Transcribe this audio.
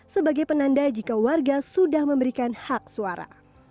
sebagai penanda jika warga sudah memberikan hak suara